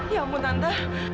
ya ampun tante